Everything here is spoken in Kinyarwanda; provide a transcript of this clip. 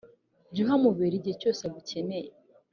jya uhamubera igihe cyose agukeneye,